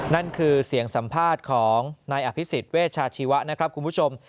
นั่นคือเสียงสัมภาษณ์ของนายอภิษฎเวชาชีวะนะครับคุณผู้ชม